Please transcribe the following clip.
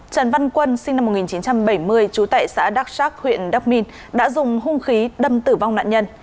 trần văn quân sinh năm một nghìn chín trăm bảy mươi trú tại xã đặc sác huyện đắk minh đã dùng hung khí đâm tử vong nạn nhân